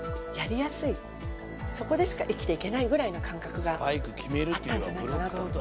そこでしか生きていけないぐらいの感覚があったんじゃないかなと。